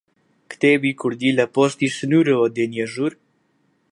کتێبی کوردی لە پۆستی سنوورەوە دێنیە ژوور؟